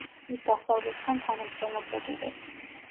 ის დასავლეთთან თანამშრომლობდა კიდეც.